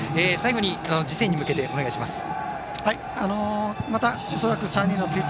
最後に次戦に向けてお願いいたします。